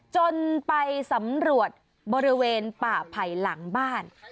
จนไปสำรวจบริเวณป่าไผ่หลังบ้าน